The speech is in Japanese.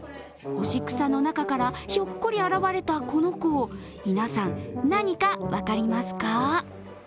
干し草の中からひょっこり現れたこの子、皆さん、何か分かりますか？